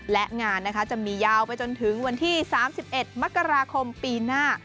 และงานนะคะจะมียาวไปจนถึงวันที่๓๑มกราคมปีหน้า